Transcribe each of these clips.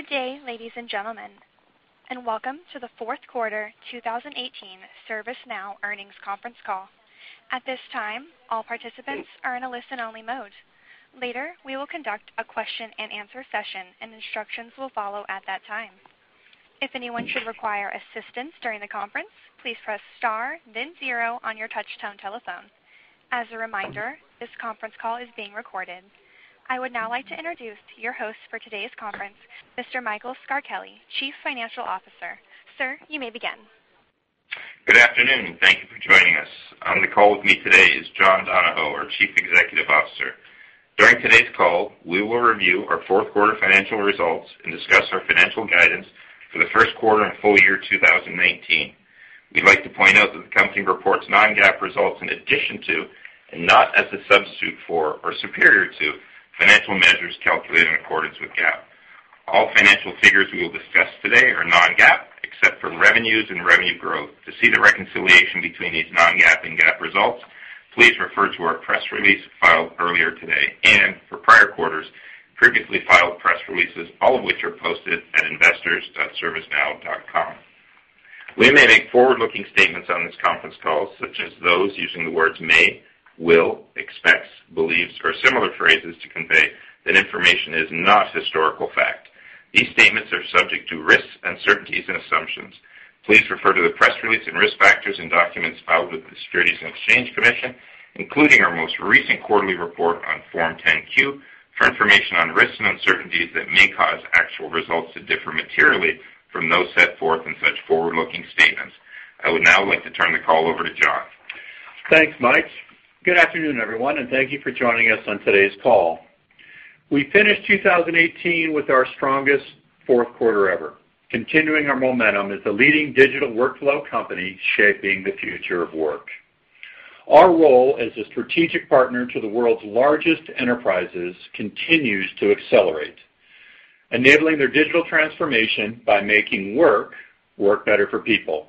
Good day, ladies and gentlemen, and welcome to the fourth quarter 2018 ServiceNow earnings conference call. At this time, all participants are in a listen-only mode. Later, we will conduct a question and answer session, and instructions will follow at that time. If anyone should require assistance during the conference, please press star then zero on your touch-tone telephone. As a reminder, this conference call is being recorded. I would now like to introduce your host for today's conference, Mr. Michael Scarpelli, Chief Financial Officer. Sir, you may begin. Good afternoon. Thank you for joining us. On the call with me today is John Donahoe, our Chief Executive Officer. During today's call, we will review our fourth quarter financial results and discuss our financial guidance for the first quarter and full year 2019. We'd like to point out that the company reports non-GAAP results in addition to, and not as a substitute for or superior to, financial measures calculated in accordance with GAAP. All financial figures we will discuss today are non-GAAP except for revenues and revenue growth. To see the reconciliation between these non-GAAP and GAAP results, please refer to our press release filed earlier today and for prior quarters, previously filed press releases, all of which are posted at investors.servicenow.com. We may make forward-looking statements on this conference call, such as those using the words may, will, expects, believes, or similar phrases to convey that information is not historical fact. These statements are subject to risks, uncertainties, and assumptions. Please refer to the press release and risk factors in documents filed with the Securities and Exchange Commission, including our most recent quarterly report on Form 10-Q for information on risks and uncertainties that may cause actual results to differ materially from those set forth in such forward-looking statements. I would now like to turn the call over to John. Thanks, Mike. Good afternoon, everyone. Thank you for joining us on today's call. We finished 2018 with our strongest fourth quarter ever, continuing our momentum as the leading digital workflow company shaping the future of work. Our role as a strategic partner to the world's largest enterprises continues to accelerate, enabling their digital transformation by making work better for people.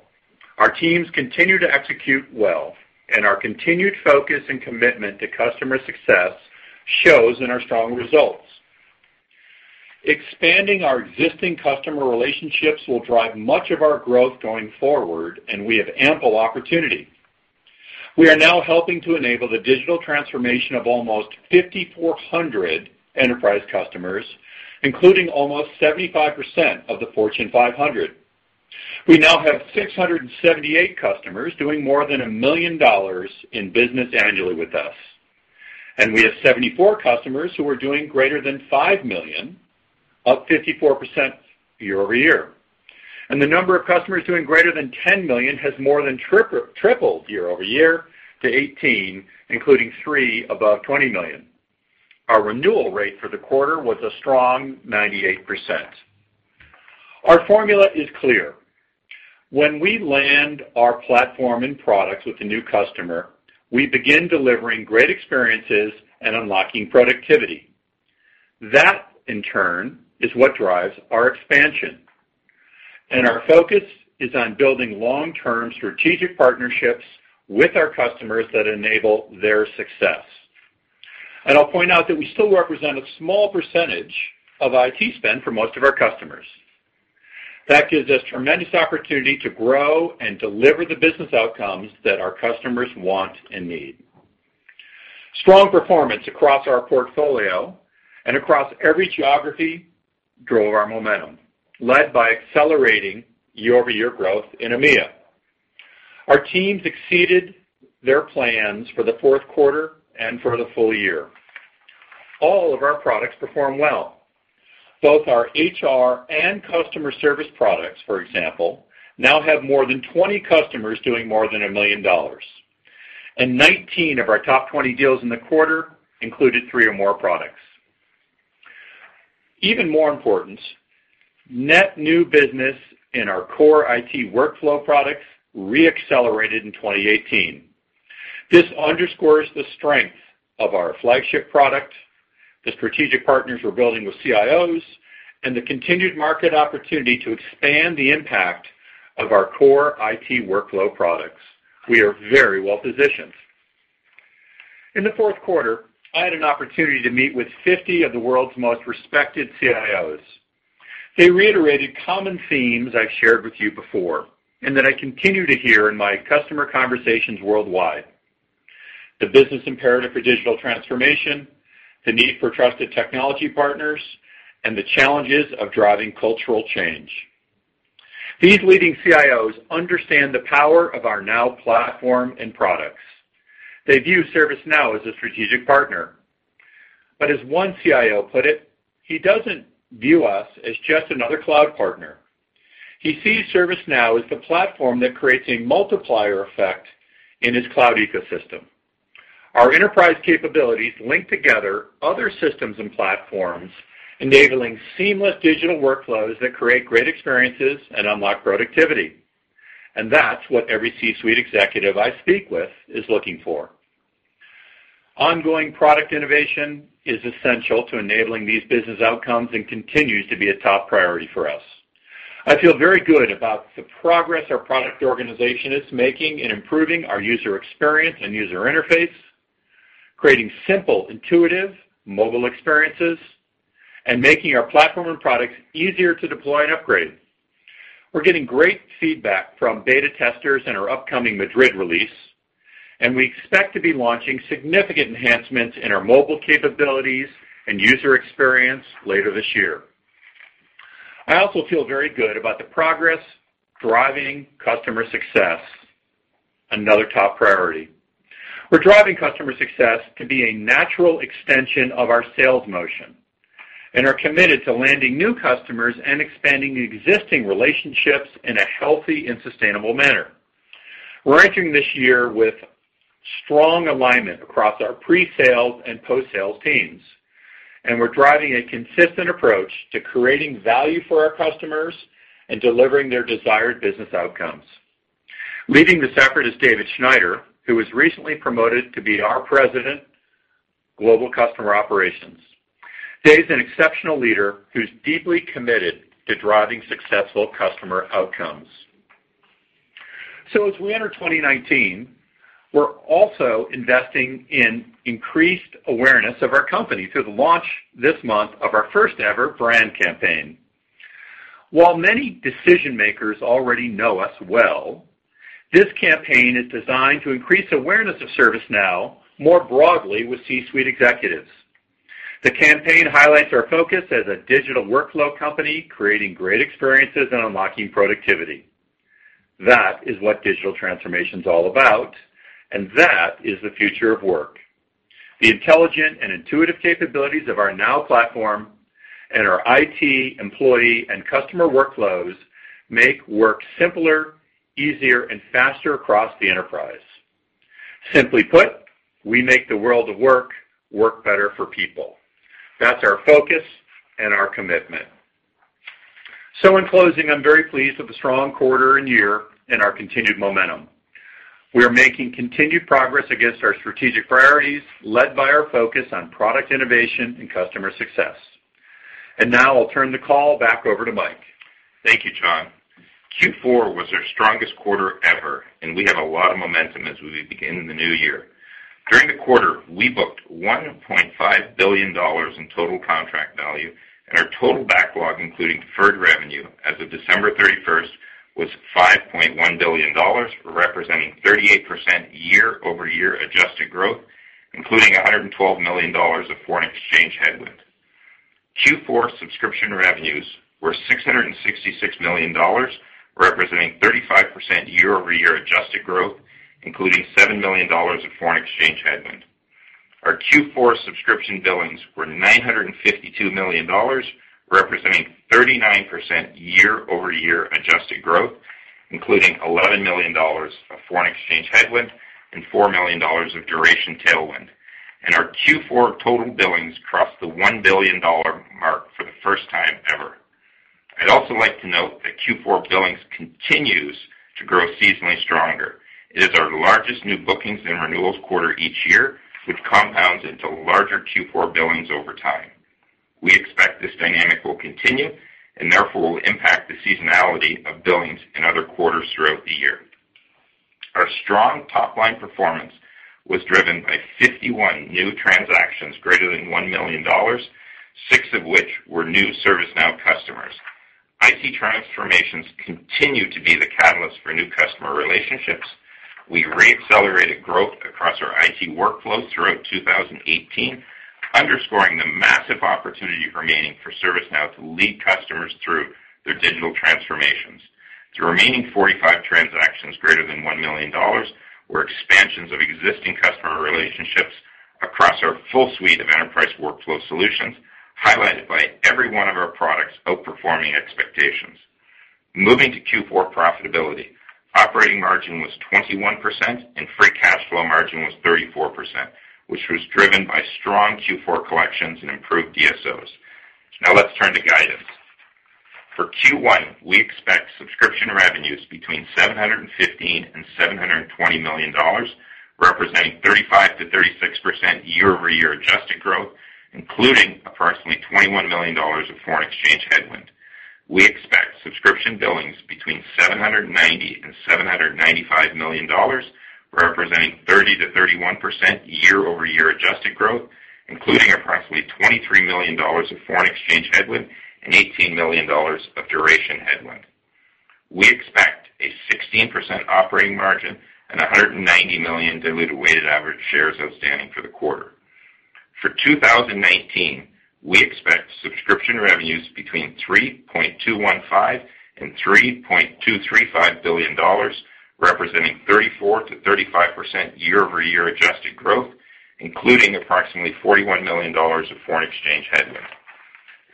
Our teams continue to execute well. Our continued focus and commitment to customer success shows in our strong results. Expanding our existing customer relationships will drive much of our growth going forward. We have ample opportunity. We are now helping to enable the digital transformation of almost 5,400 enterprise customers, including almost 75% of the Fortune 500. We now have 678 customers doing more than $1 million in business annually with us, and we have 74 customers who are doing greater than $5 million, up 54% year-over-year. The number of customers doing greater than $10 million has more than tripled year-over-year to 18, including three above $20 million. Our renewal rate for the quarter was a strong 98%. Our formula is clear. When we land our platform and products with a new customer, we begin delivering great experiences and unlocking productivity. That, in turn, is what drives our expansion. Our focus is on building long-term strategic partnerships with our customers that enable their success. I'll point out that we still represent a small percentage of IT spend for most of our customers. That gives us tremendous opportunity to grow and deliver the business outcomes that our customers want and need. Strong performance across our portfolio and across every geography drove our momentum, led by accelerating year-over-year growth in EMEA. Our teams exceeded their plans for the fourth quarter and for the full year. All of our products performed well. Both our HR and customer service products, for example, now have more than 20 customers doing more than $1 million, and 19 of our top 20 deals in the quarter included three or more products. Even more important, net new business in our core IT workflow products re-accelerated in 2018. This underscores the strength of our flagship product, the strategic partners we're building with CIOs, and the continued market opportunity to expand the impact of our core IT workflow products. We are very well positioned. In the fourth quarter, I had an opportunity to meet with 50 of the world's most respected CIOs. They reiterated common themes I've shared with you before and that I continue to hear in my customer conversations worldwide: the business imperative for digital transformation, the need for trusted technology partners, and the challenges of driving cultural change. These leading CIOs understand the power of our Now Platform and products. They view ServiceNow as a strategic partner. As one CIO put it, he doesn't view us as just another cloud partner. He sees ServiceNow as the platform that creates a multiplier effect in his cloud ecosystem. Our enterprise capabilities link together other systems and platforms, enabling seamless digital workflows that create great experiences and unlock productivity. That's what every C-suite executive I speak with is looking for. Ongoing product innovation is essential to enabling these business outcomes and continues to be a top priority for us. I feel very good about the progress our product organization is making in improving our user experience and user interface, creating simple, intuitive mobile experiences, and making our platform and products easier to deploy and upgrade. We're getting great feedback from beta testers in our upcoming Madrid release. We expect to be launching significant enhancements in our mobile capabilities and user experience later this year. I also feel very good about the progress driving customer success, another top priority. We're driving customer success to be a natural extension of our sales motion and are committed to landing new customers and expanding existing relationships in a healthy and sustainable manner. We're entering this year with strong alignment across our pre-sales and post-sales teams, and we're driving a consistent approach to creating value for our customers and delivering their desired business outcomes. Leading this effort is David Schneider, who was recently promoted to be our President, Global Customer Operations. Dave's an exceptional leader who's deeply committed to driving successful customer outcomes. As we enter 2019, we're also investing in increased awareness of our company through the launch this month of our first-ever brand campaign. While many decision-makers already know us well, this campaign is designed to increase awareness of ServiceNow more broadly with C-suite executives. The campaign highlights our focus as a digital workflow company, creating great experiences and unlocking productivity. That is what digital transformation's all about, and that is the future of work. The intelligent and intuitive capabilities of our Now Platform and our IT employee and customer workflows make work simpler, easier, and faster across the enterprise. Simply put, we make the world of work better for people. That's our focus and our commitment. In closing, I'm very pleased with the strong quarter and year and our continued momentum. We are making continued progress against our strategic priorities, led by our focus on product innovation and customer success. Now I'll turn the call back over to Mike. Thank you, John. Q4 was our strongest quarter ever, and we have a lot of momentum as we begin the new year. During the quarter, we booked $1.5 billion in total contract value, and our total backlog, including deferred revenue as of December 31st, was $5.1 billion, representing 38% year-over-year adjusted growth, including $112 million of foreign exchange headwind. Q4 subscription revenues were $666 million, representing 35% year-over-year adjusted growth, including $7 million of foreign exchange headwind. Our Q4 subscription billings were $952 million, representing 39% year-over-year adjusted growth, including $11 million of foreign exchange headwind and $4 million of duration tailwind. Our Q4 total billings crossed the $1 billion mark for the first time ever. I'd also like to note that Q4 billings continues to grow seasonally stronger. It is our largest new bookings and renewals quarter each year, which compounds into larger Q4 billings over time. We expect this dynamic will continue, and therefore, will impact the seasonality of billings in other quarters throughout the year. Our strong top-line performance was driven by 51 new transactions greater than $1 million, six of which were new ServiceNow customers. IT transformations continue to be the catalyst for new customer relationships. We re-accelerated growth across our IT workflows throughout 2018, underscoring the massive opportunity remaining for ServiceNow to lead customers through their digital transformations. The remaining 45 transactions greater than $1 million were expansions of existing customer relationships across our full suite of enterprise workflow solutions, highlighted by every one of our products outperforming expectations. Moving to Q4 profitability, operating margin was 21% and free cash flow margin was 34%, which was driven by strong Q4 collections and improved DSOs. Now let's turn to guidance. For Q1, we expect subscription revenues between $715 million and $720 million, representing 35%-36% year-over-year adjusted growth, including approximately $21 million of foreign exchange headwind. We expect subscription billings between $790 million and $795 million, representing 30%-31% year-over-year adjusted growth, including approximately $23 million of foreign exchange headwind and $18 million of duration headwind. We expect a 16% operating margin and 190 million diluted weighted average shares outstanding for the quarter. For 2019, we expect subscription revenues between $3.215 billion and $3.235 billion, representing 34%-35% year-over-year adjusted growth, including approximately $41 million of foreign exchange headwind.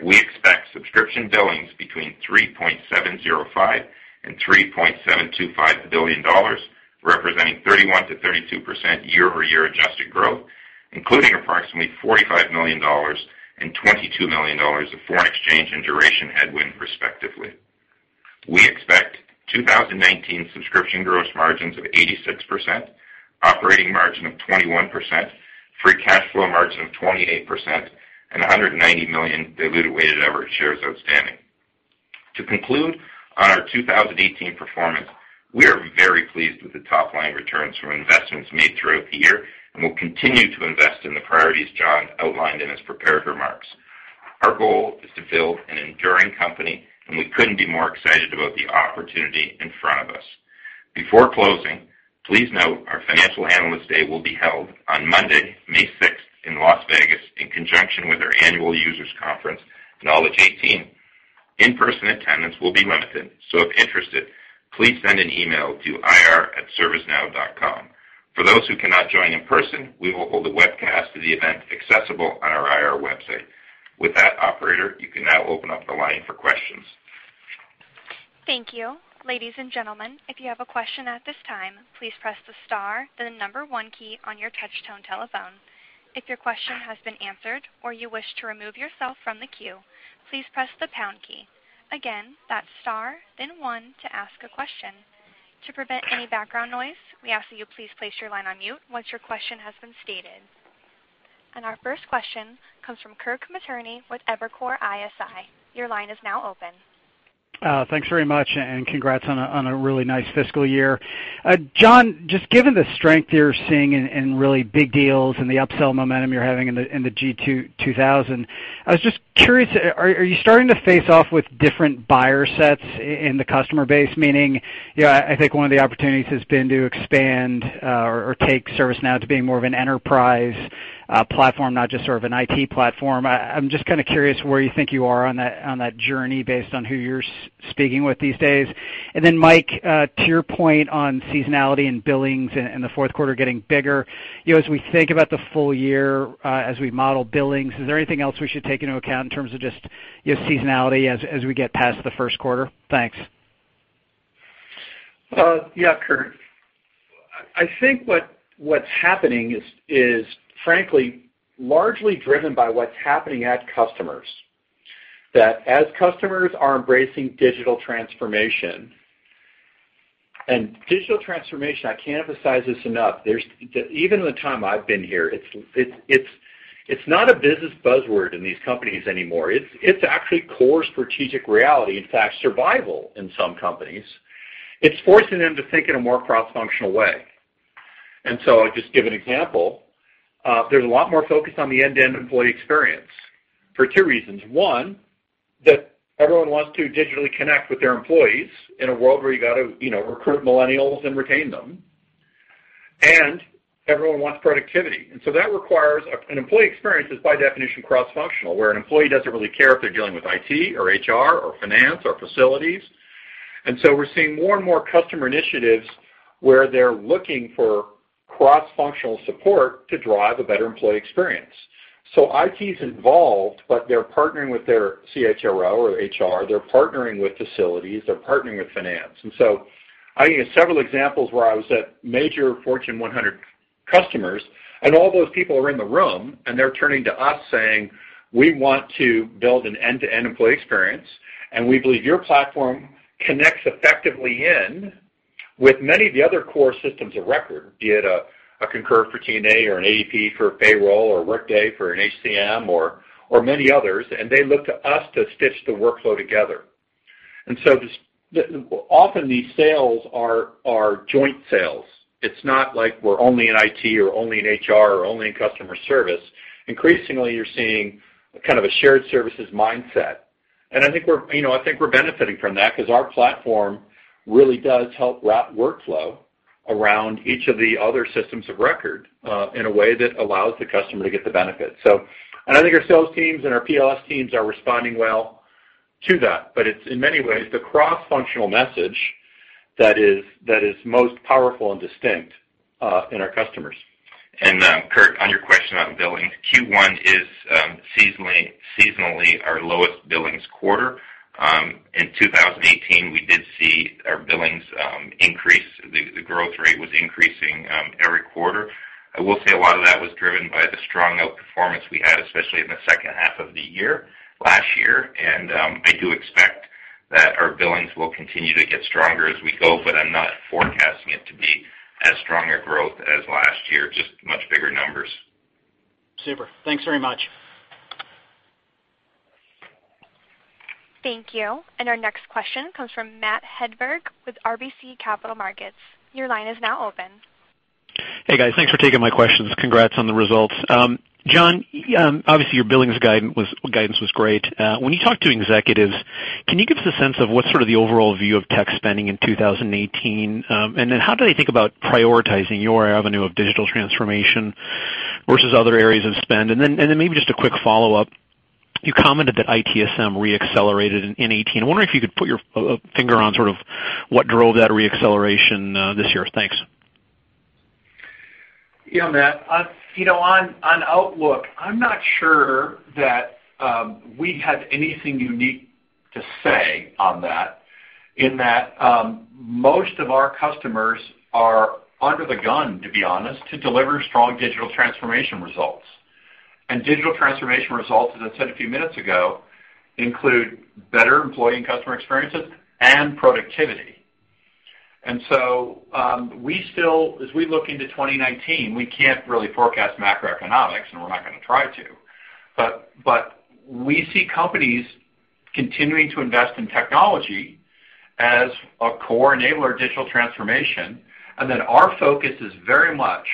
We expect subscription billings between $3.705 billion and $3.725 billion, representing 31%-32% year-over-year adjusted growth, including approximately $45 million and $22 million of foreign exchange and duration headwind respectively. We expect 2019 subscription gross margins of 86%, operating margin of 21%, free cash flow margin of 28%, and 190 million diluted weighted average shares outstanding. To conclude on our 2018 performance, we are very pleased with the top-line returns from investments made throughout the year, and we'll continue to invest in the priorities John outlined in his prepared remarks. Our goal is to build an enduring company, and we couldn't be more excited about the opportunity in front of us. Before closing, please note our financial analyst day will be held on Monday, May 6th in Las Vegas in conjunction with our annual users conference, Knowledge19. In-person attendance will be limited, so if interested, please send an email to ir@servicenow.com. For those who cannot join in person, we will hold a webcast of the event accessible on our IR website. With that, operator, you can now open up the line for questions. Thank you. Ladies and gentlemen, if you have a question at this time, please press the star, then the number 1 key on your touch-tone telephone. If your question has been answered or you wish to remove yourself from the queue, please press the pound key. Again, that's star, then 1 to ask a question. To prevent any background noise, we ask that you please place your line on mute once your question has been stated. Our first question comes from Kirk Materne with Evercore ISI. Your line is now open. Thanks very much, congrats on a really nice fiscal year. John, just given the strength you're seeing in really big deals and the upsell momentum you're having in the G2000, I was just curious, are you starting to face off with different buyer sets in the customer base? Meaning, I think one of the opportunities has been to expand or take ServiceNow to being more of an enterprise platform, not just sort of an IT platform. I'm just kind of curious where you think you are on that journey based on who you're speaking with these days. Mike, to your point on seasonality and billings and the fourth quarter getting bigger, as we think about the full year, as we model billings, is there anything else we should take into account in terms of just seasonality as we get past the first quarter? Thanks. Yeah, Kirk. I think what's happening is frankly largely driven by what's happening at customers. As customers are embracing digital transformation, digital transformation, I can't emphasize this enough, even in the time I've been here, it's not a business buzzword in these companies anymore. It's actually core strategic reality. In fact, survival in some companies. It's forcing them to think in a more cross-functional way. I'll just give an example. There's a lot more focus on the end-to-end employee experience for two reasons. One, everyone wants to digitally connect with their employees in a world where you got to recruit millennials and retain them. Everyone wants productivity. An employee experience is by definition cross-functional, where an employee doesn't really care if they're dealing with IT or HR or finance or facilities. We're seeing more and more customer initiatives where they're looking for cross-functional support to drive a better employee experience. IT's involved, but they're partnering with their CHRO or HR, they're partnering with facilities, they're partnering with finance. I can give several examples where I was at major Fortune 100 customers, and all those people are in the room, and they're turning to us saying, "We want to build an end-to-end employee experience, and we believe your platform connects effectively in with many of the other core systems of record." Be it a Concur for T&E or an ADP for payroll or Workday for an HCM or many others, they look to us to stitch the workflow together. Often these sales are joint sales. It's not like we're only in IT or only in HR or only in customer service. Increasingly, you're seeing kind of a shared services mindset. I think we're benefiting from that because our platform really does help wrap workflow around each of the other systems of record, in a way that allows the customer to get the benefit. I think our sales teams and our PLS teams are responding well to that, but it's in many ways the cross-functional message that is most powerful and distinct in our customers. Kirk, on your question on billings, Q1 is seasonally our lowest billings quarter. In 2018, we did see our billings increase. The growth rate was increasing every quarter. I will say a lot of that was driven by the strong outperformance we had, especially in the second half of the year last year. I do expect that our billings will continue to get stronger as we go, but I'm not forecasting it to be as stronger growth as last year, just much bigger numbers. Super. Thanks very much. Thank you. Our next question comes from Matt Hedberg with RBC Capital Markets. Your line is now open. Hey, guys. Thanks for taking my questions. Congrats on the results. John, obviously, your billings guidance was great. When you talk to executives, can you give us a sense of what's sort of the overall view of tech spending in 2018? Then how do they think about prioritizing your avenue of digital transformation versus other areas of spend? Then maybe just a quick follow-up. You commented that ITSM re-accelerated in 2018. I wonder if you could put your finger on sort of what drove that re-acceleration this year. Thanks. Matt. On outlook, I'm not sure that we have anything unique to say on that, in that most of our customers are under the gun, to be honest, to deliver strong digital transformation results. Digital transformation results, as I said a few minutes ago, include better employee and customer experiences and productivity. As we look into 2019, we can't really forecast macroeconomics, and we're not going to try to, but we see companies continuing to invest in technology as a core enabler of digital transformation. Our focus is very much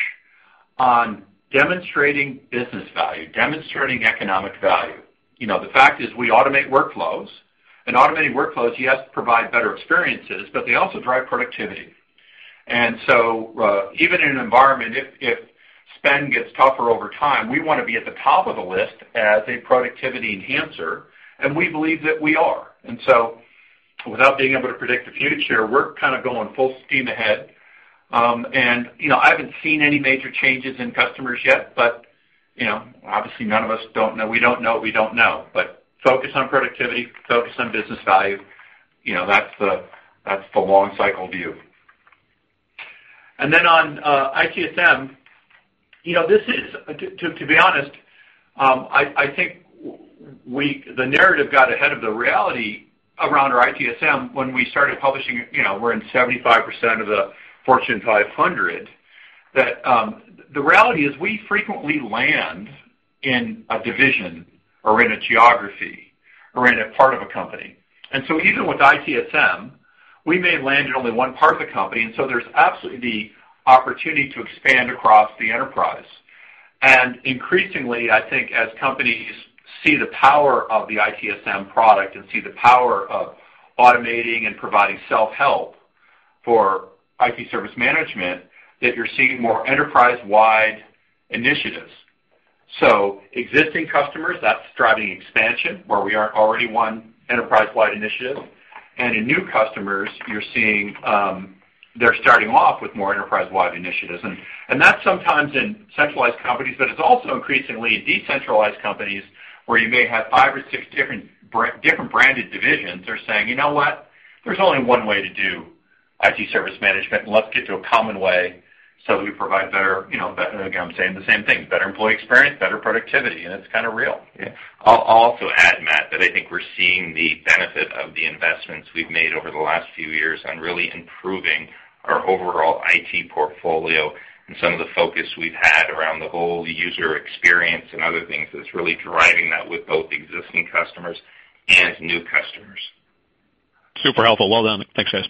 on demonstrating business value, demonstrating economic value. The fact is, we automate workflows. Automating workflows, yes, provide better experiences, but they also drive productivity. Even in an environment, if spend gets tougher over time, we want to be at the top of the list as a productivity enhancer. We believe that we are. Without being able to predict the future, we're kind of going full steam ahead. I haven't seen any major changes in customers yet, but obviously, none of us don't know. We don't know what we don't know. Focus on productivity, focus on business value. That's the long cycle view. On ITSM, to be honest, I think the narrative got ahead of the reality around our ITSM when we started publishing. We're in 75% of the Fortune 500. The reality is we frequently land in a division or in a geography or in a part of a company. Even with ITSM, we may land in only one part of the company. There's absolutely opportunity to expand across the enterprise. Increasingly, I think as companies see the power of the ITSM product and see the power of automating and providing self-help for IT service management, you're seeing more enterprise-wide initiatives. Existing customers, that's driving expansion where we are already one enterprise-wide initiative. In new customers, you're seeing they're starting off with more enterprise-wide initiatives. That's sometimes in centralized companies, but it's also increasingly in decentralized companies where you may have five or six different branded divisions are saying, "You know what? There's only one way to do IT service management, and let's get to a common way so that we provide better" Again, I'm saying the same thing, better employee experience, better productivity. It's kind of real. I'll also add, Matt, that I think we're seeing the benefit of the investments we've made over the last few years on really improving our overall IT portfolio and some of the focus we've had around the whole user experience and other things that's really driving that with both existing customers and new customers. Super helpful. Well done. Thanks, guys.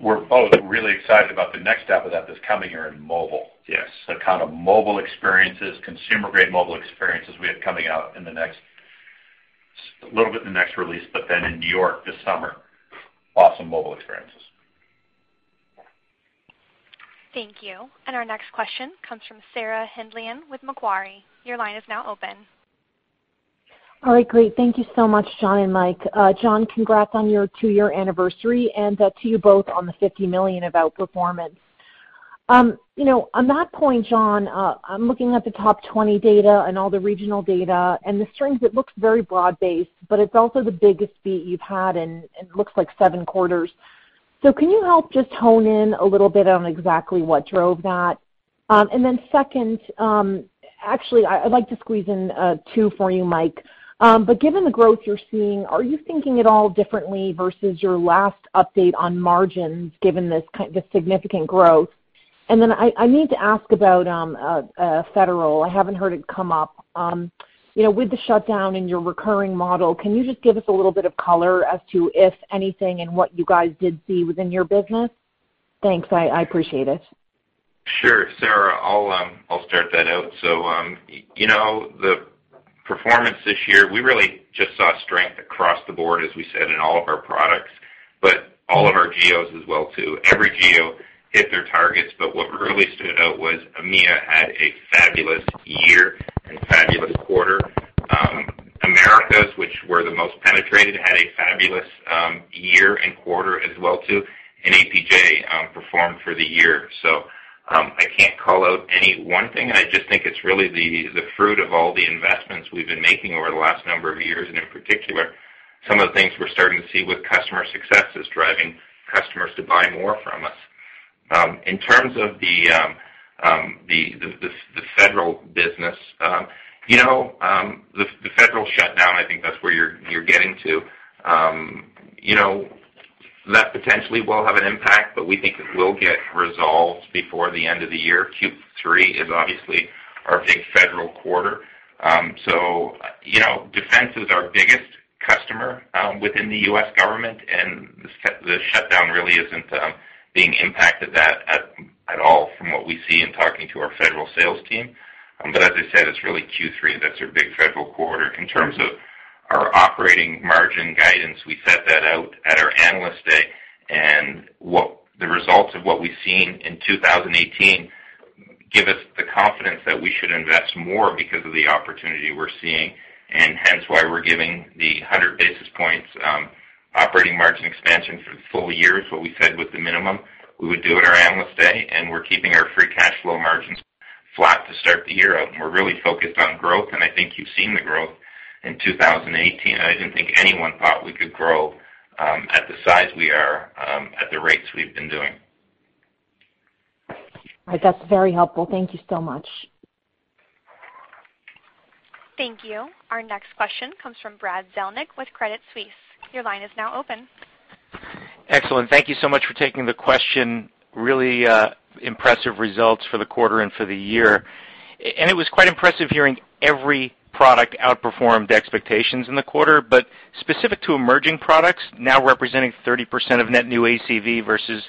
We're both really excited about the next step of that's coming here in mobile. Yes. The kind of mobile experiences, consumer-grade mobile experiences we have coming out a little bit in the next release, but then in New York this summer. Awesome mobile experiences. Thank you. Our next question comes from Sarah Hindlian with Macquarie. Your line is now open. All right, great. Thank you so much, John and Mike. John, congrats on your two-year anniversary and to you both on the $50 million outperformance. On that point, John, I'm looking at the top 20 data and all the regional data, and the strings, it looks very broad-based, but it's also the biggest beat you've had in, it looks like seven quarters. Can you help just hone in a little bit on exactly what drove that? Second, actually, I'd like to squeeze in two for you, Mike. Given the growth you're seeing, are you thinking at all differently versus your last update on margins given this significant growth? I need to ask about federal. I haven't heard it come up. With the shutdown in your recurring model, can you just give us a little bit of color as to if anything and what you guys did see within your business? Thanks. I appreciate it. Sure, Sarah, I'll start that out. The performance this year, we really just saw strength across the board, as we said, in all of our products, but all of our geos as well too. Every geo hit their targets. What really stood out was EMEA had a fabulous year and fabulous quarter. Americas, which were the most penetrated, had a fabulous year and quarter as well too. APJ performed for the year. I can't call out any one thing. I just think it's really the fruit of all the investments we've been making over the last number of years, and in particular, some of the things we're starting to see with customer success is driving customers to buy more from us. In terms of the federal business, the federal shutdown, I think that's where you're getting to. That potentially will have an impact, we think it will get resolved before the end of the year. Q3 is obviously our big federal quarter. Defense is our biggest customer within the U.S. government, the shutdown really isn't being impacted at all from what we see in talking to our federal sales team. As I said, it's really Q3 that's our big federal quarter. In terms of our operating margin guidance, we set that out at our Analyst Day. The results of what we've seen in 2018 give us the confidence that we should invest more because of the opportunity we're seeing. Hence why we're giving the 100 basis points operating margin expansion for the full year is what we said was the minimum we would do at our Analyst Day. We're keeping our free cash flow margins flat to start the year out. We're really focused on growth. I think you've seen the growth in 2018. I didn't think anyone thought we could grow at the size we are at the rates we've been doing. All right. That's very helpful. Thank you so much. Thank you. Our next question comes from Brad Zelnick with Credit Suisse. Your line is now open. Excellent. Thank you so much for taking the question. Really impressive results for the quarter and for the year. It was quite impressive hearing every product outperformed expectations in the quarter. Specific to emerging products now representing 30% of net new ACV versus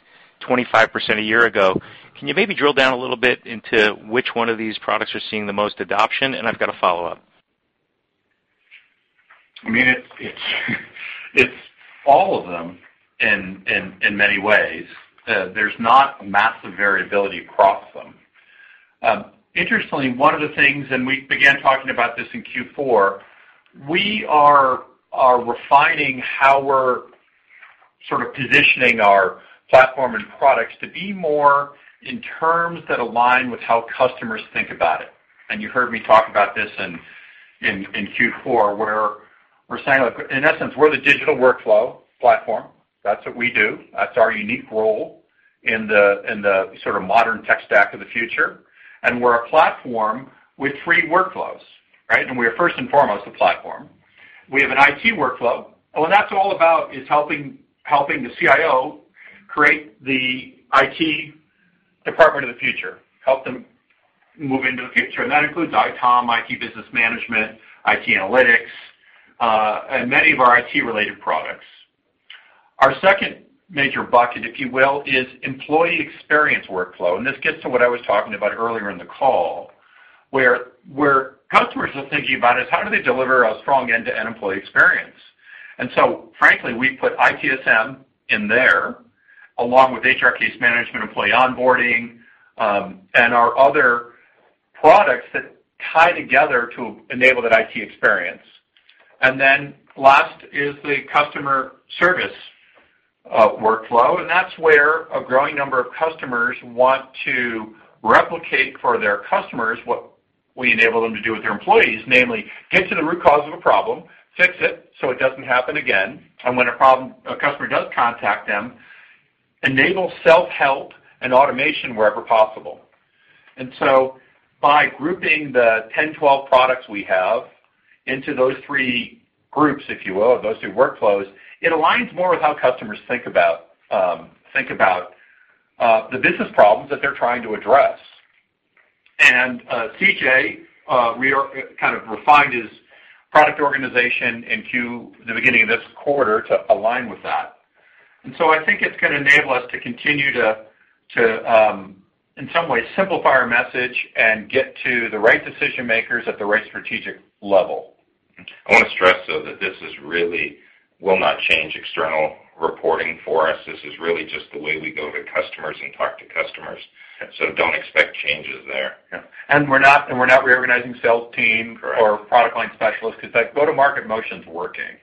25% a year ago. Can you maybe drill down a little bit into which one of these products are seeing the most adoption? I've got a follow-up. I mean, it's all of them in many ways. There's not massive variability across them. Interestingly, one of the things, we began talking about this in Q4, we are refining how we're sort of positioning our platform and products to be more in terms that align with how customers think about it. You heard me talk about this in Q4, where we're saying, look, in essence, we're the digital workflow platform. That's what we do. That's our unique role in the sort of modern tech stack of the future. We're a platform with three workflows, right? We are first and foremost a platform. We have an IT workflow, and what that's all about is helping the CIO create the IT department of the future, help them move into the future. That includes ITOM, IT Business Management, IT Analytics, and many of our IT-related products. Our second major bucket, if you will, is employee experience workflow, this gets to what I was talking about earlier in the call, where customers are thinking about is how do they deliver a strong end-to-end employee experience. Frankly, we put ITSM in there along with HR case management, employee onboarding, and our other products that tie together to enable that IT experience. Last is the customer service workflow, and that's where a growing number of customers want to replicate for their customers what we enable them to do with their employees, namely, get to the root cause of a problem, fix it so it doesn't happen again. When a customer does contact them, enable self-help and automation wherever possible. By grouping the 10, 12 products we have into those three groups, if you will, those three workflows, it aligns more with how customers think about the business problems that they're trying to address. CJ, we are kind of refined his product organization in the beginning of this quarter to align with that. I think it's gonna enable us to continue to, in some ways, simplify our message and get to the right decision-makers at the right strategic level. I want to stress, though, that this is really will not change external reporting for us. This is really just the way we go to customers and talk to customers. Don't expect changes there. Yeah. We're not reorganizing sales team. Correct or product line specialists because that go-to-market motion's working.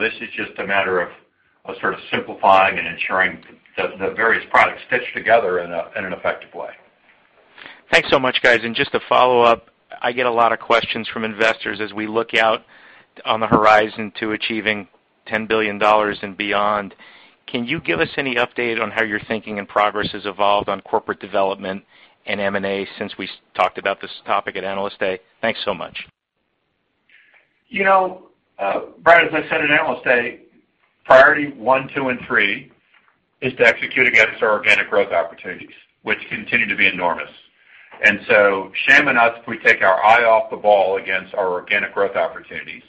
This is just a matter of sort of simplifying and ensuring that the various products stitch together in an effective way. Thanks so much, guys. Just to follow up, I get a lot of questions from investors as we look out on the horizon to achieving $10 billion and beyond. Can you give us any update on how your thinking and progress has evolved on corporate development and M&A since we talked about this topic at Analyst Day? Thanks so much. You know, Brad, as I said at Analyst Day, priority 1, 2, and 3 is to execute against our organic growth opportunities, which continue to be enormous. Shame on us if we take our eye off the ball against our organic growth opportunities.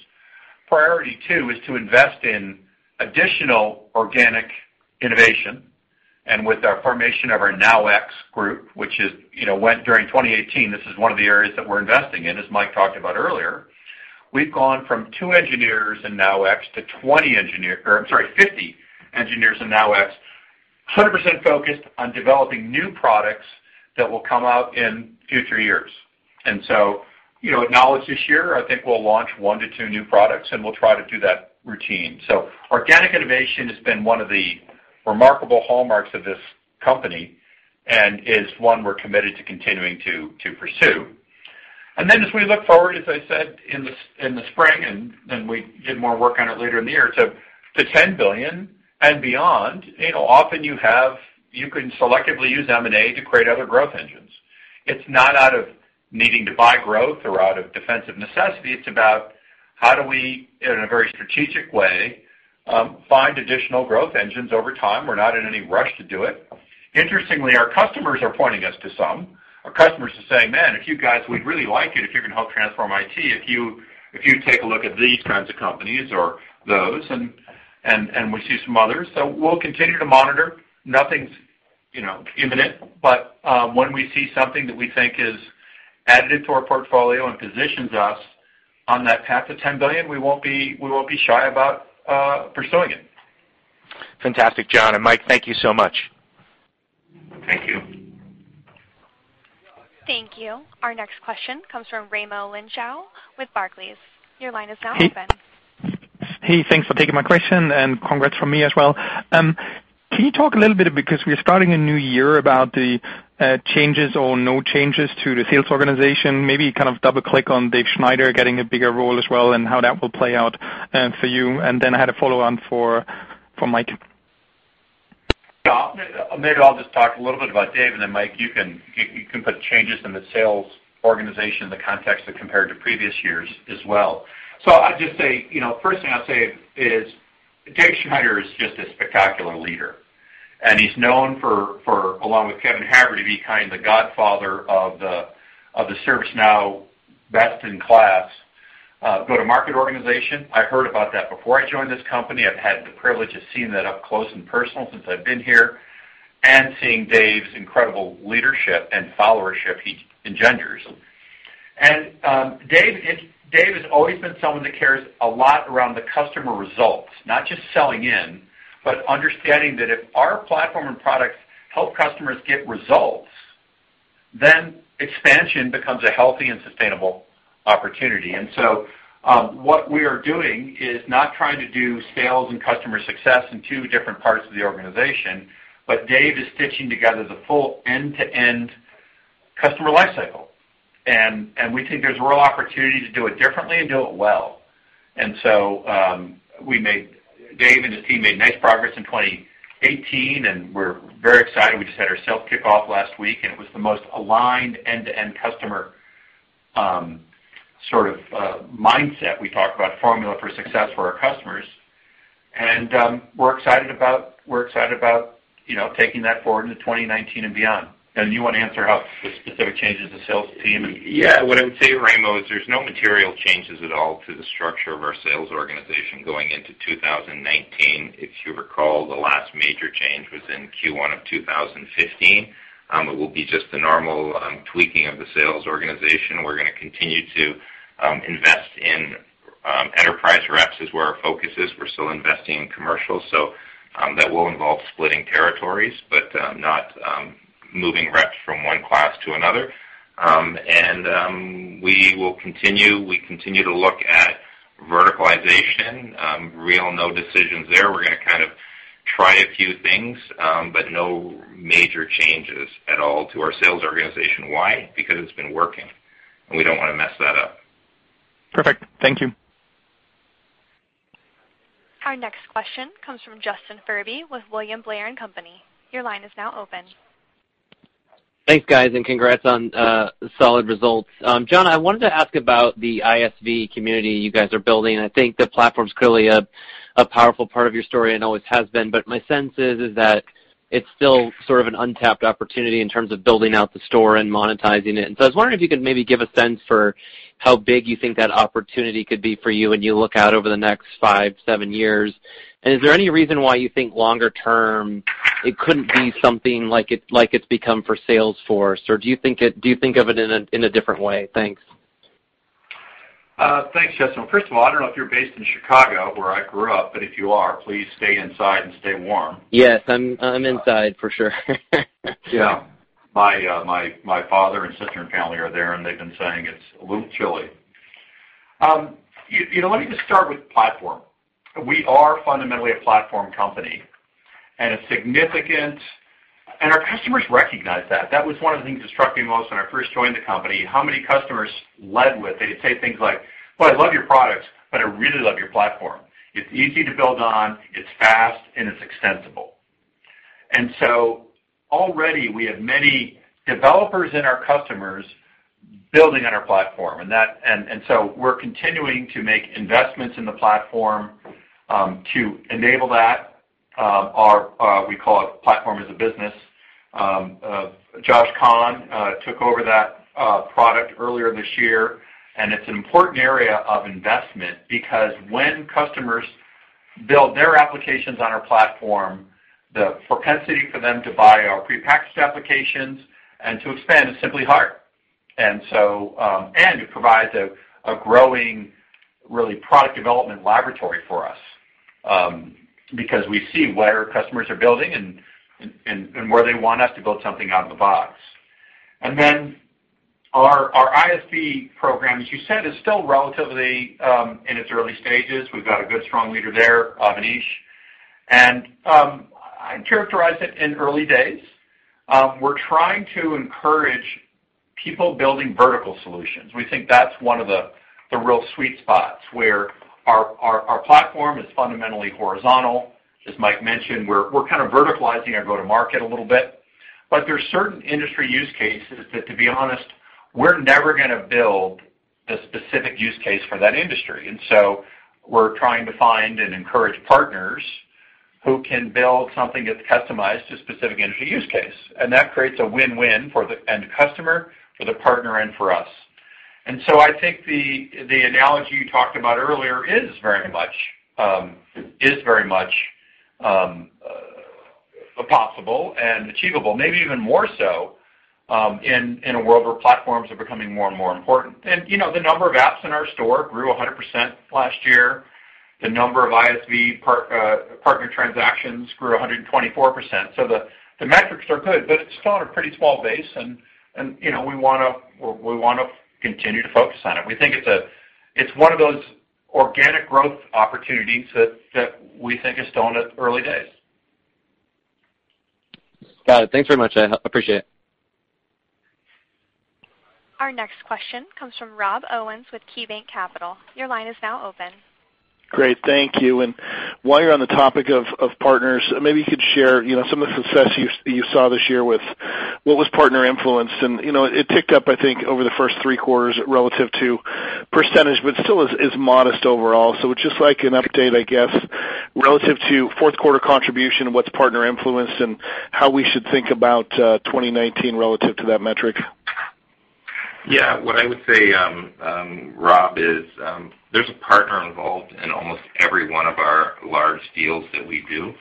Priority 2 is to invest in additional organic innovation. With our formation of our NowX group, which is, you know, went during 2018, this is one of the areas that we're investing in as Mike talked about earlier. We've gone from two engineers in NowX to 20 engineers or I'm sorry, 50 engineers in NowX, 100% focused on developing new products that will come out in future years. You know, at Knowledge this year, I think we'll launch one to two new products, and we'll try to do that routine. Organic innovation has been one of the remarkable hallmarks of this company, and is one we're committed to continuing to pursue. As we look forward, as I said in the spring, and we did more work on it later in the year, to $10 billion and beyond. You know, often you can selectively use M&A to create other growth engines. It's not out of needing to buy growth or out of defensive necessity. It's about how do we, in a very strategic way, find additional growth engines over time. We're not in any rush to do it. Interestingly, our customers are pointing us to some. Our customers are saying, "Man, if you guys, we'd really like it if you can help transform IT if you take a look at these kinds of companies or those," and we see some others. We'll continue to monitor. Nothing's imminent, but, when we see something that we think is additive to our portfolio and positions us on that path to $10 billion, we won't be shy about pursuing it. Fantastic, John and Mike, thank you so much. Thank you. Thank you. Our next question comes from Raimo Lenschow with Barclays. Your line is now open. Hey. Thanks for taking my question, and congrats from me as well. Can you talk a little bit, because we're starting a new year, about the changes or no changes to the sales organization. Maybe kind of double-click on Dave Schneider getting a bigger role as well and how that will play out for you. Then I had a follow-on for Mike. Yeah. Maybe I'll just talk a little bit about Dave, then Mike, you can put changes in the sales organization in the context of compared to previous years as well. I'll just say, first thing I'll say is Dave Schneider is just a spectacular leader. He's known for, along with Kevin Haver, to be kind of the godfather of the ServiceNow best-in-class go-to-market organization. I heard about that before I joined this company. I've had the privilege of seeing that up close and personal since I've been here, and seeing Dave's incredible leadership and followership he engenders. Dave has always been someone that cares a lot around the customer results, not just selling in, but understanding that if our Now Platform and products help customers get results, then expansion becomes a healthy and sustainable opportunity. What we are doing is not trying to do sales and customer success in two different parts of the organization, but Dave is stitching together the full end-to-end customer life cycle. We think there's real opportunity to do it differently and do it well. Dave and his team made nice progress in 2018, we're very excited. We just had our sales kickoff last week, it was the most aligned end-to-end customer sort of mindset. We talked about formula for success for our customers, we're excited about taking that forward into 2019 and beyond. You want to answer how the specific changes to sales team. What I would say, Raimo, is there's no material changes at all to the structure of our sales organization going into 2019. If you recall, the last major change was in Q1 of 2015. It will be just the normal tweaking of the sales organization. We're going to continue to invest in enterprise reps, is where our focus is. We're still investing in commercial, so that will involve splitting territories, but not moving reps from one class to another. We will continue to look at verticalization. Real no decisions there. We're going to kind of try a few things, but no major changes at all to our sales organization. Why? Because it's been working, and we don't want to mess that up. Perfect. Thank you. Our next question comes from Justin Furby with William Blair & Company. Your line is now open. Thanks, guys, and congrats on the solid results. John, I wanted to ask about the ISV community you guys are building. I think the Platform's clearly a powerful part of your story and always has been, but my sense is that it's still sort of an untapped opportunity in terms of building out the store and monetizing it. I was wondering if you could maybe give a sense for how big you think that opportunity could be for you when you look out over the next five, seven years. Is there any reason why you think longer term it couldn't be something like it's become for Salesforce? Do you think of it in a different way? Thanks. Thanks, Justin. First of all, I don't know if you're based in Chicago, where I grew up, but if you are, please stay inside and stay warm. Yes, I'm inside for sure. Yeah. My father and sister and family are there, and they've been saying it's a little chilly. Let me just start with platform. We are fundamentally a platform company, and our customers recognize that. That was one of the things that struck me most when I first joined the company, how many customers led with. They'd say things like, "Well, I love your products, but I really love your platform. It's easy to build on, it's fast, and it's extensible." Already we have many developers and our customers building on our platform. We're continuing to make investments in the platform to enable that. We call it platform as a business. Josh Kahn took over that product earlier this year, and it's an important area of investment because when customers build their applications on our platform, the propensity for them to buy our prepackaged applications and to expand is simply higher. It provides a growing, really, product development laboratory for us, because we see what our customers are building and where they want us to build something out of the box. Our ISV program, as you said, is still relatively in its early stages. We've got a good strong leader there, Anish. I'd characterize it in early days. We're trying to encourage people building vertical solutions. We think that's one of the real sweet spots, where our platform is fundamentally horizontal. As Mike mentioned, we're kind of verticalizing our go-to-market a little bit, but there's certain industry use cases that, to be honest, we're never going to build the specific use case for that industry. We're trying to find and encourage partners who can build something that's customized to a specific industry use case, and that creates a win-win for the end customer, for the partner, and for us. I think the analogy you talked about earlier is very much possible and achievable, maybe even more so in a world where platforms are becoming more and more important. The number of apps in our store grew 100% last year. The number of ISV partner transactions grew 124%. The metrics are good, but it's still on a pretty small base, and we want to continue to focus on it. We think it's one of those organic growth opportunities that we think are still in its early days. Got it. Thanks very much. I appreciate it. Our next question comes from Rob Owens with KeyBanc Capital. Your line is now open. Great. Thank you. While you're on the topic of partners, maybe you could share some of the success you saw this year with what was partner influence, and it ticked up, I think over the first three quarters relative to percentage, but still is modest overall. Just like an update, I guess, relative to fourth quarter contribution, what's partner influence and how we should think about 2019 relative to that metric? Yeah. What I would say, Rob, is there's a partner involved in almost every one of our large deals that we do.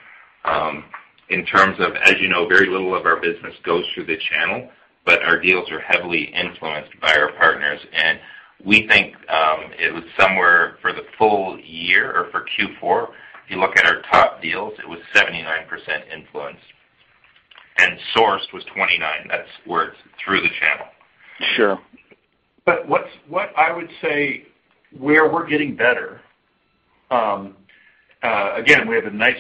In terms of, as you know, very little of our business goes through the channel, but our deals are heavily influenced by our partners, and we think it was somewhere for the full year or for Q4, if you look at our top deals, it was 79% influenced, and sourced was 29%. That's where it's through the channel. Sure. What I would say where we're getting better, again, we have a nice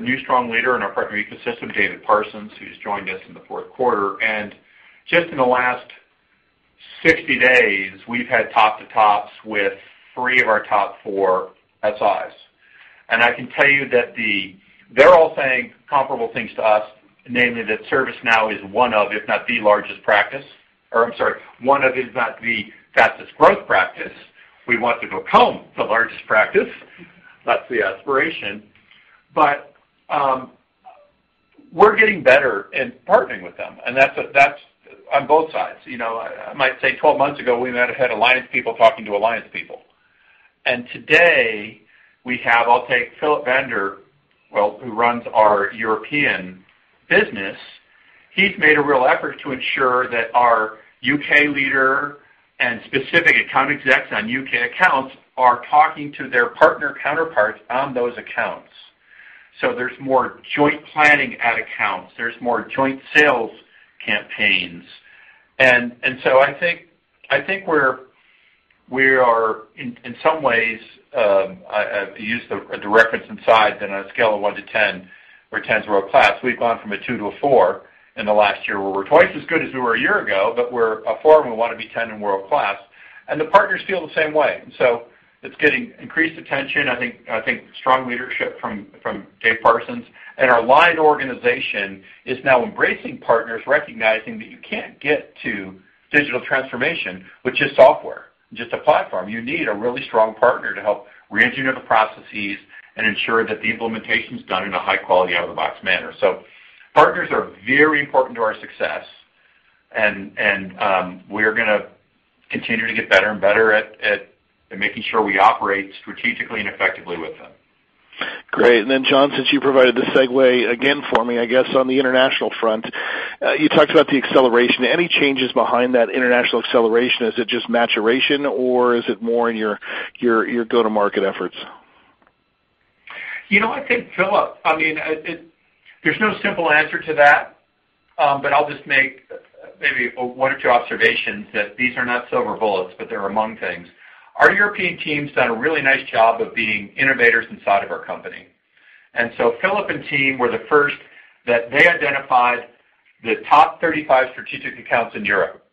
new strong leader in our partner ecosystem, David Parsons, who's joined us in the fourth quarter. Just in the last 60 days, we've had top to tops with three of our top four SIs. I can tell you that they're all saying comparable things to us, namely that ServiceNow is one of, if not the largest practice, or I'm sorry, one of, if not the fastest growth practice. We want to become the largest practice. That's the aspiration. We're getting better in partnering with them, and that's on both sides. I might say 12 months ago, we might have had alliance people talking to alliance people. Today we have, I'll take Philip Bender, well, who runs our European business. He's made a real effort to ensure that our U.K. leader and specific account execs on U.K. accounts are talking to their partner counterparts on those accounts. There's more joint planning at accounts. There's more joint sales campaigns. I think we are in some ways, I use the reference inside than a scale of one to 10 where 10 is world-class. We've gone from a two to a four in the last year where we're twice as good as we were a year ago, but we're a four, and we want to be 10 and world-class, and the partners feel the same way. It's getting increased attention, I think strong leadership from Dave Parsons, and our line organization is now embracing partners, recognizing that you can't get to digital transformation, which is software, just a platform. You need a really strong partner to help re-engineer the processes and ensure that the implementation's done in a high-quality, out-of-the-box manner. Partners are very important to our success, and we're going to continue to get better and better at making sure we operate strategically and effectively with them. Great. John, since you provided the segue again for me, I guess on the international front, you talked about the acceleration. Any changes behind that international acceleration? Is it just maturation or is it more in your go-to-market efforts? I think, Philip, there's no simple answer to that. I'll just make maybe one or two observations that these are not silver bullets, but they're among things. Our European team's done a really nice job of being innovators inside of our company. Philip and team were the first that they identified the top 35 strategic accounts in Europe,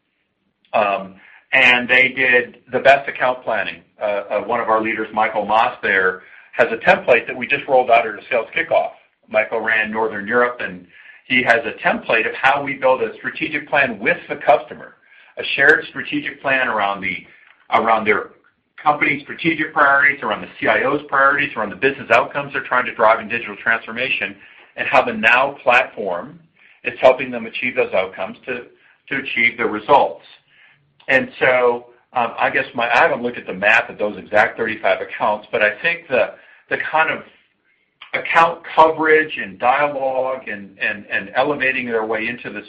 and they did the best account planning. One of our leaders, Michael Moss there, has a template that we just rolled out at our sales kickoff. Michael ran Northern Europe, and he has a template of how we build a strategic plan with the customer, a shared strategic plan around their company's strategic priorities, around the CIO's priorities, around the business outcomes they're trying to drive in digital transformation, and how the Now Platform is helping them achieve those outcomes to achieve their results. I guess I haven't looked at the map of those exact 35 accounts, but I think the kind of account coverage and dialogue and elevating their way into the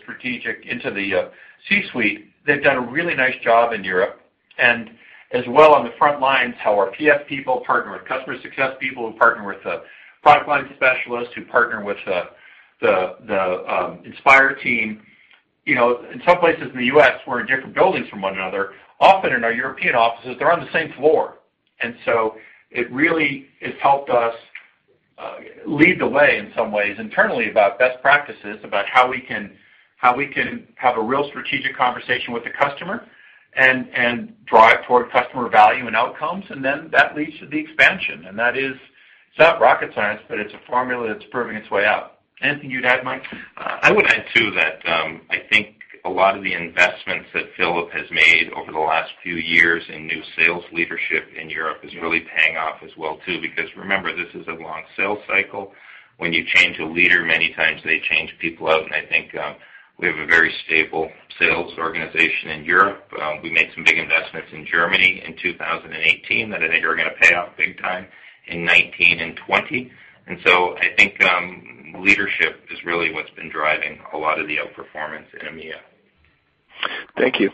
C-suite, they've done a really nice job in Europe, and as well on the front lines, how our PS people partner with customer success people who partner with the product line specialists who partner with the Inspire team. In some places in the U.S. we're in different buildings from one another. Often in our European offices, they're on the same floor. It really has helped us lead the way in some ways internally about best practices, about how we can have a real strategic conversation with the customer and drive toward customer value and outcomes. That leads to the expansion, and that is not rocket science, but it's a formula that's proving its way out. Anything you'd add, Mike? I would add too that I think a lot of the investments that Philip has made over the last few years in new sales leadership in Europe is really paying off as well too because remember, this is a long sales cycle. When you change a leader, many times they change people out, and I think we have a very stable sales organization in Europe. We made some big investments in Germany in 2018 that I think are going to pay off big time in 2019 and 2020. I think leadership is really what's been driving a lot of the outperformance in EMEA. Thank you.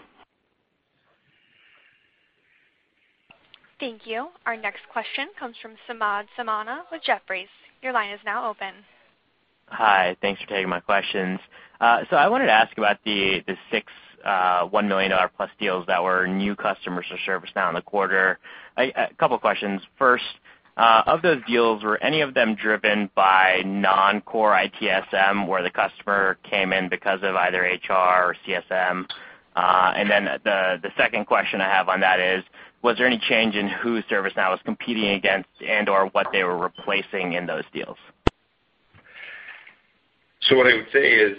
Thank you. Our next question comes from Samad Samana with Jefferies. Your line is now open. Hi. Thanks for taking my questions. I wanted to ask about the six $1 million-plus deals that were new customers to ServiceNow in the quarter. A couple of questions. First, of those deals, were any of them driven by non-core ITSM where the customer came in because of either HR or CSM? The second question I have on that is, was there any change in who ServiceNow was competing against and/or what they were replacing in those deals? What I would say is,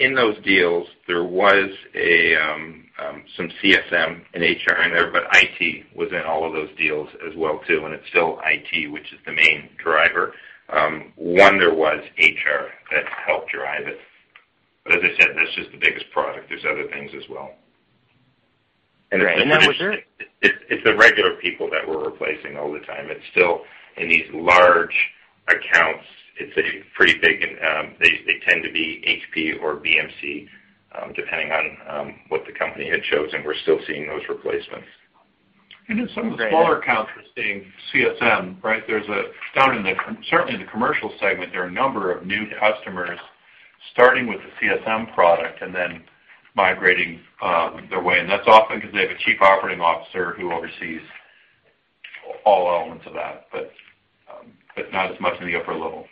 in those deals, there was some CSM and HR in there, but IT was in all of those deals as well too, and it's still IT, which is the main driver. One there was HR that helped drive it. As I said, that's just the biggest product. There's other things as well. Great. It's the regular people that we're replacing all the time. It's still in these large accounts. They tend to be HP or BMC, depending on what the company had chosen. We're still seeing those replacements. In some of the smaller accounts, we're seeing CSM, right? Certainly in the commercial segment, there are a number of new customers starting with the CSM product and then migrating their way. That's often because they have a chief operating officer who oversees all elements of that, but not as much in the upper level.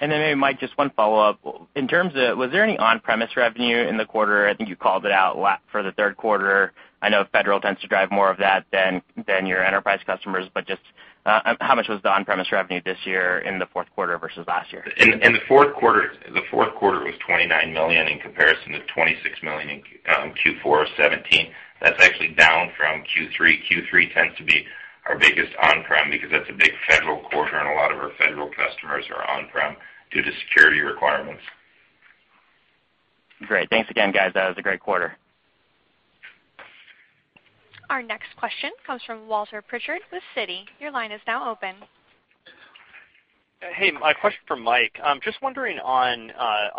Maybe, Mike, just one follow-up. Was there any on-premise revenue in the quarter? I think you called it out for the third quarter. I know federal tends to drive more of that than your enterprise customers. Just how much was the on-premise revenue this year in the fourth quarter versus last year? In the fourth quarter, it was $29 million in comparison to $26 million in Q4 of 2017. That's actually down from Q3. Q3 tends to be our biggest on-prem because that's a big federal quarter, and a lot of our federal customers are on-prem due to security requirements. Great. Thanks again, guys. That was a great quarter. Our next question comes from Walter Pritchard with Citi. Your line is now open. Hey. A question for Mike. Just wondering on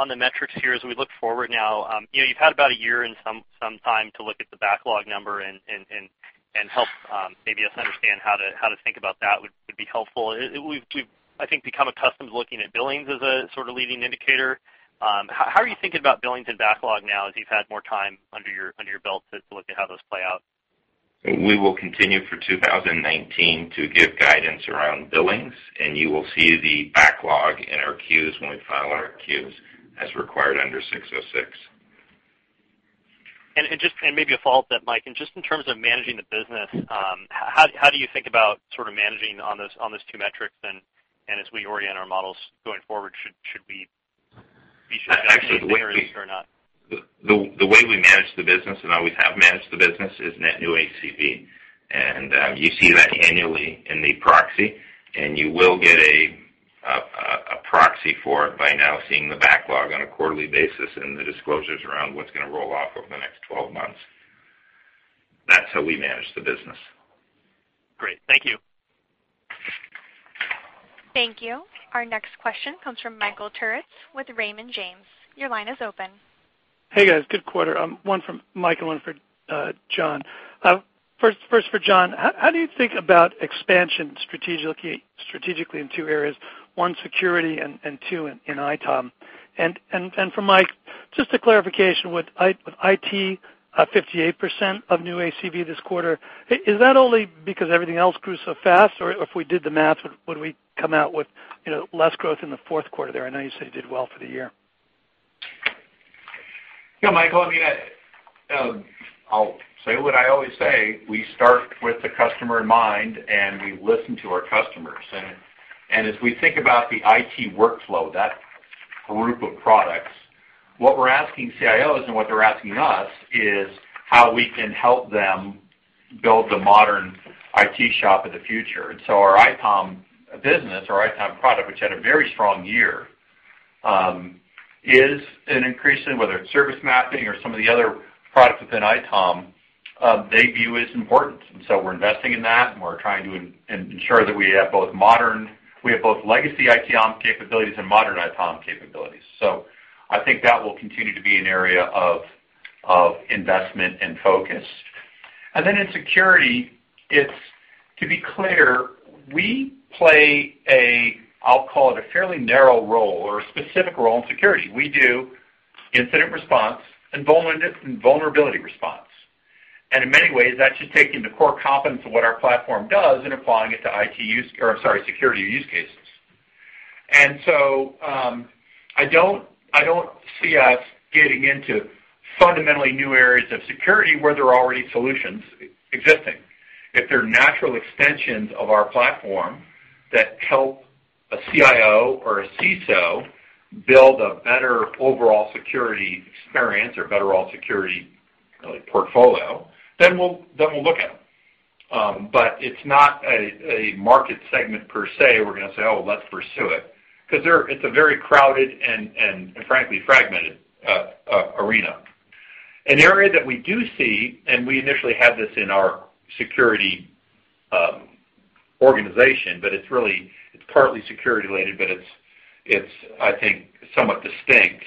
the metrics here as we look forward now. You've had about a year and some time to look at the backlog number and help maybe us understand how to think about that would be helpful. We've, I think, become accustomed to looking at billings as a sort of leading indicator. How are you thinking about billings and backlog now as you've had more time under your belt to look at how those play out? We will continue for 2019 to give guidance around billings, and you will see the backlog in our Q's when we file our Q's as required under 606. Maybe a follow-up to that, Mike. Just in terms of managing the business, how do you think about sort of managing on those two metrics? As we orient our models going forward, should we be or not? The way we manage the business and always have managed the business is net new ACV. You see that annually in the proxy, you will get a proxy for it by now seeing the backlog on a quarterly basis and the disclosures around what's going to roll off over the next 12 months. That's how we manage the business. Great. Thank you. Thank you. Our next question comes from Michael Turits with Raymond James. Your line is open. Hey, guys. Good quarter. One for Mike and one for John. First for John, how do you think about expansion strategically in two areas, one, security and two, in ITOM? For Mike, just a clarification. With IT 58% of new ACV this quarter, is that only because everything else grew so fast? Or if we did the math, would we come out with less growth in the fourth quarter there? I know you said it did well for the year. Yeah, Michael. I'll say what I always say. We start with the customer in mind, and we listen to our customers. As we think about the IT workflow, that group of products, what we're asking CIOs and what they're asking us is how we can help them build the modern IT shop of the future. Our ITOM business, our ITOM product, which had a very strong year, is an increase in, whether it's service mapping or some of the other products within ITOM, they view as important. We're investing in that, and we're trying to ensure that we have both legacy ITOM capabilities and modern ITOM capabilities. I think that will continue to be an area of investment and focus. In security, to be clear, we play a, I'll call it, a fairly narrow role or a specific role in security. We do incident response and vulnerability response. In many ways, that's just taking the core competence of what our platform does and applying it to security use cases. I don't see us getting into fundamentally new areas of security where there are already solutions existing. If they're natural extensions of our platform that help a CIO or a CISO build a better overall security experience or better overall security portfolio, then we'll look at them. It's not a market segment, per se, we're going to say, "Oh, let's pursue it." It's a very crowded and frankly, fragmented arena. An area that we do see, and we initially had this in our security organization, but it's partly security-related, but it's, I think, somewhat distinct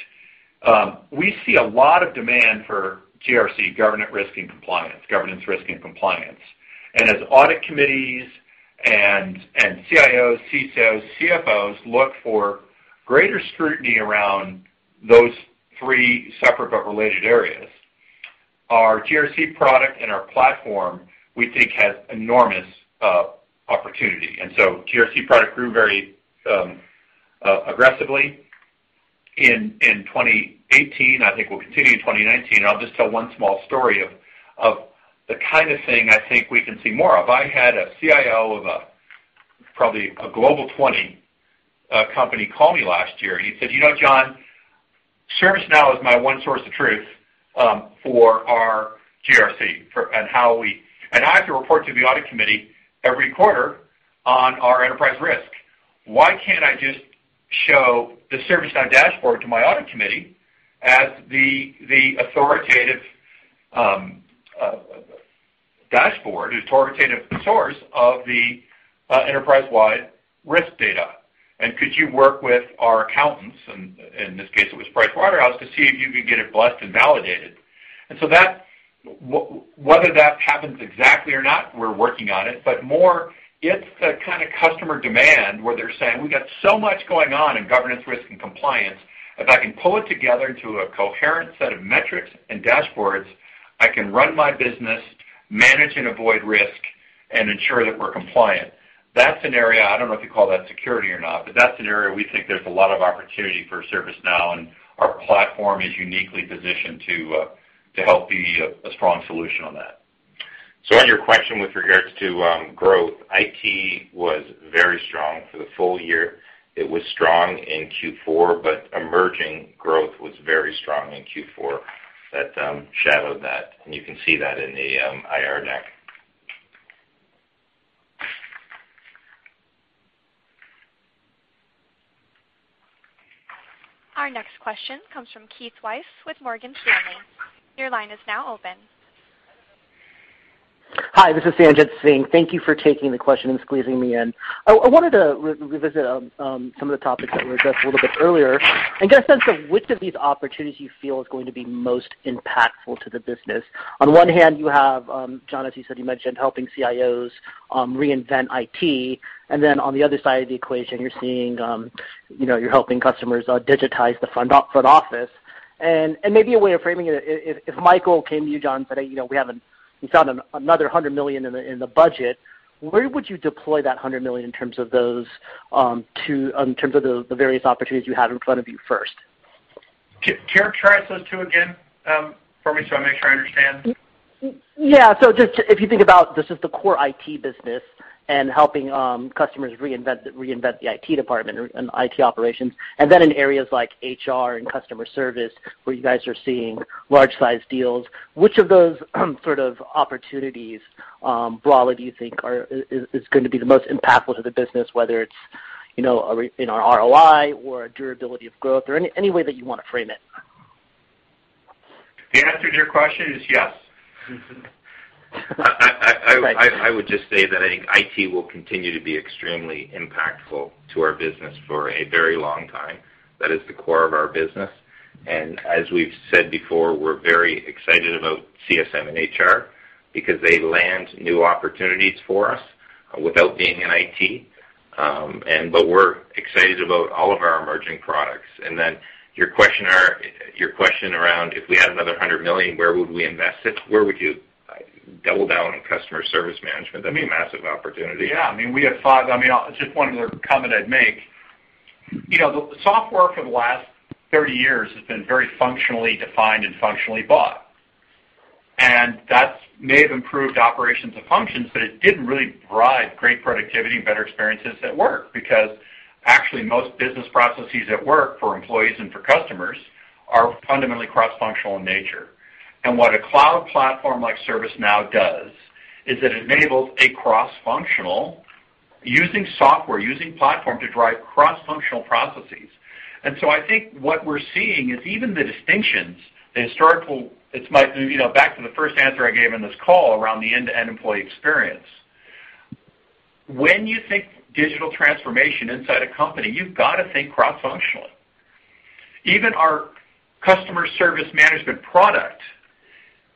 We see a lot of demand for GRC, governance, risk and compliance. As audit committees and CIOs, CTOs, CFOs look for greater scrutiny around those three separate but related areas, our GRC product and our platform, we think, has enormous opportunity. GRC product grew very aggressively in 2018. I think we'll continue in 2019. I'll just tell one small story of the kind of thing I think we can see more of. I had a CIO of a, probably a Global 20 company call me last year. He said, "You know, John, ServiceNow is my one source of truth for our GRC. I have to report to the audit committee every quarter on our enterprise risk. Why can't I just show the ServiceNow dashboard to my audit committee as the authoritative dashboard, the authoritative source of the enterprise-wide risk data? Could you work with our accountants," and in this case it was PricewaterhouseCoopers, "to see if you could get it blessed and validated?" Whether that happens exactly or not, we're working on it, but more, it's the kind of customer demand where they're saying, "We got so much going on in governance, risk, and compliance. If I can pull it together into a coherent set of metrics and dashboards, I can run my business, manage and avoid risk, and ensure that we're compliant." I don't know if you call that security or not, that's an area we think there's a lot of opportunity for ServiceNow, and our platform is uniquely positioned to help be a strong solution on that. on your question with regards to growth, IT was very strong for the full year. It was strong in Q4, but emerging growth was very strong in Q4. That shadowed that, and you can see that in the IR deck. Our next question comes from Keith Weiss with Morgan Stanley. Your line is now open. Hi, this is Sanjit Singh. Thank you for taking the question and squeezing me in. I wanted to revisit some of the topics that were addressed a little bit earlier and get a sense of which of these opportunities you feel is going to be most impactful to the business. On one hand, you have, John, as you said, you mentioned helping CIOs reinvent IT, then on the other side of the equation, you're helping customers digitize the front office. Maybe a way of framing it, if Michael came to you, John, and said, "We found another $100 million in the budget," where would you deploy that $100 million in terms of the various opportunities you have in front of you first? Characterize those two again for me so I make sure I understand. Just if you think about just the core IT business and helping customers reinvent the IT department and IT operations, and then in areas like HR and customer service, where you guys are seeing large-sized deals, which of those sort of opportunities broadly do you think is going to be the most impactful to the business, whether it's in our ROI or durability of growth or any way that you want to frame it? The answer to your question is yes. I would just say that I think IT will continue to be extremely impactful to our business for a very long time. That is the core of our business. As we've said before, we're very excited about CSM and HR because they land new opportunities for us without being in IT. We're excited about all of our emerging products. Your question around if we had another $100 million, where would we invest it? Where would you double down on Customer Service Management? That'd be a massive opportunity. Just one other comment I'd make. The software for the last 30 years has been very functionally defined and functionally bought. That may have improved operations and functions, but it didn't really drive great productivity and better experiences at work, because actually, most business processes at work for employees and for customers are fundamentally cross-functional in nature. What a cloud platform like ServiceNow does is it enables a cross-functional, using software, using platform to drive cross-functional processes. I think what we're seeing is even the distinctions, the historical, back to the first answer I gave on this call around the end-to-end employee experience. When you think digital transformation inside a company, you've got to think cross-functionally. Even our Customer Service Management product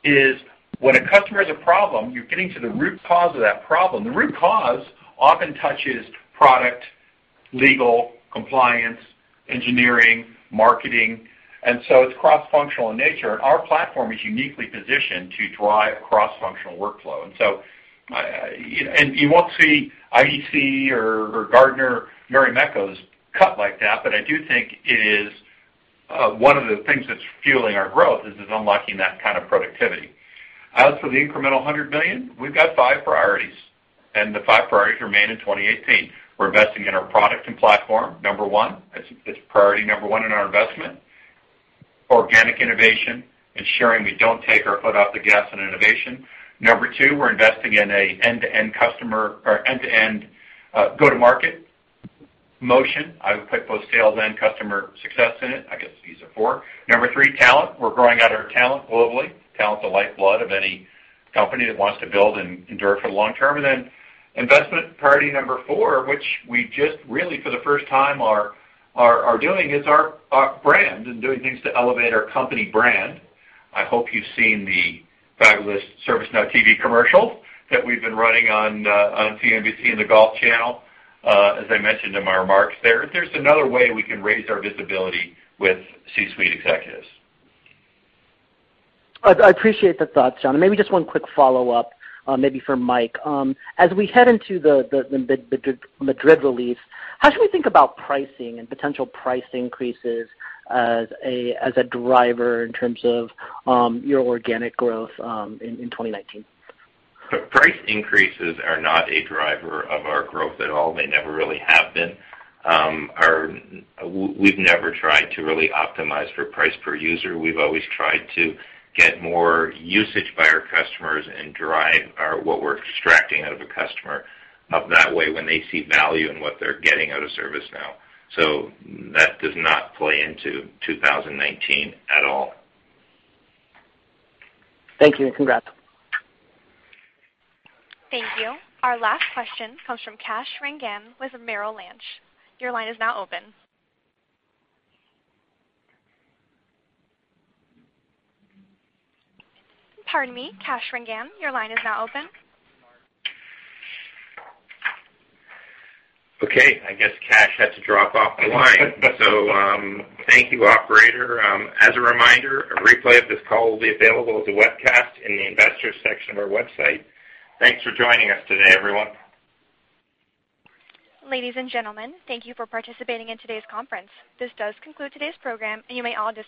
is when a customer has a problem, you're getting to the root cause of that problem. The root cause often touches product, legal, compliance, engineering, marketing, it's cross-functional in nature, and our platform is uniquely positioned to drive cross-functional workflow. You won't see IDC or Gartner, Mary Meeker's cut like that, but I do think it is one of the things that's fueling our growth, is it unlocking that kind of productivity. As for the incremental $100 million, we've got 5 priorities, and the 5 priorities remain in 2018. We're investing in our product and platform, number 1. That's priority number 1 in our investment. Organic innovation, ensuring we don't take our foot off the gas on innovation. Number 2, we're investing in an end-to-end go-to-market motion. I would put both sales and customer success in it. I guess these are four. Number 3, talent. We're growing out our talent globally. Talent's the lifeblood of any company that wants to build and endure for the long term. Investment priority number 4, which we just really for the first time are doing, is our brand and doing things to elevate our company brand. I hope you've seen the fabulous ServiceNow TV commercial that we've been running on CNBC and the Golf Channel. As I mentioned in my remarks there's another way we can raise our visibility with C-suite executives. I appreciate the thoughts, John, and maybe just one quick follow-up, maybe for Mike. As we head into the Madrid release, how should we think about pricing and potential price increases as a driver in terms of your organic growth in 2019? Price increases are not a driver of our growth at all. They never really have been. We've never tried to really optimize for price per user. We've always tried to get more usage by our customers and drive what we're extracting out of a customer up that way when they see value in what they're getting out of ServiceNow. That does not play into 2019 at all. Thank you, congrats. Thank you. Our last question comes from Kash Rangan with Merrill Lynch. Your line is now open. Pardon me, Kash Rangan, your line is now open. Okay, I guess Kash had to drop off the line. Thank you, operator. As a reminder, a replay of this call will be available as a webcast in the Investors section of our website. Thanks for joining us today, everyone. Ladies and gentlemen, thank you for participating in today's conference. This does conclude today's program, and you may all disconnect.